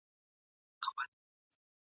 زه د پي ټي ایم غړی نه یم ..